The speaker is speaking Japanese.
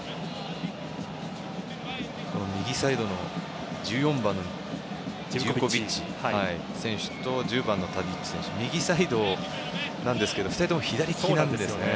右サイドの１４番、ジヴコヴィッチ選手と１０番のタディッチ選手が右サイドなんですけど２人とも左利きなんですよね。